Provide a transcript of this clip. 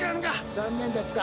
残念だった。